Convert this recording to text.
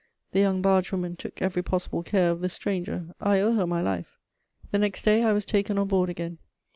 The young barge woman took every possible care of the stranger: I owe her my life. The next day I was taken on board again.